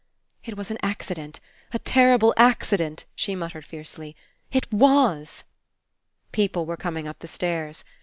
^'It was an accident, a terrible accident," she muttered fiercely. "It wasT People were coming up the stairs.